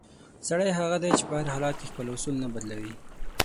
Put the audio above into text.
سړی هغه دی چې په هر حالت کې خپل اصول نه بدلوي.